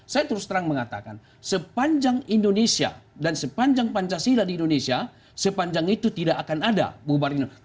saya terus terang mengatakan sepanjang indonesia dan sepanjang pancasila di indonesia sepanjang itu tidak akan ada bubarin